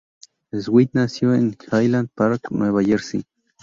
Sweet nació en Highland Park, Nueva Jersey.